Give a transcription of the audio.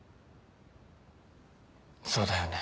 そうだよね。